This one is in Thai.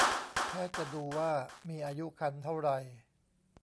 แพทย์จะดูว่ามีอายุครรภ์เท่าไร